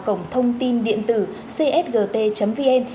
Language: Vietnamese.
cổng thông tin điện tử csgt vn